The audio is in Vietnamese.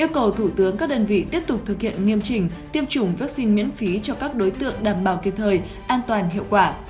yêu cầu thủ tướng các đơn vị tiếp tục thực hiện nghiêm chỉnh tiêm chủng vaccine miễn phí cho các đối tượng đảm bảo kịp thời an toàn hiệu quả